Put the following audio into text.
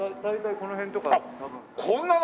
大体この辺とか多分。